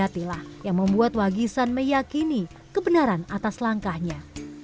supiati adalah kekuatan wagisan yang membuat wagisan meyakini kebenaran atas langkahnya